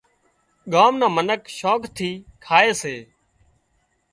ڳام مان منک شوق ٿِي کائي سي